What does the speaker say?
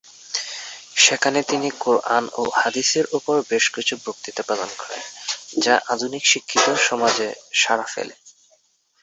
সেখানে তিনি কোরআন ও হাদিসের ওপর বেশকিছু বক্তৃতা প্রদান করেন, যা আধুনিক শিক্ষিত সমাজে সাড়া ফেলে।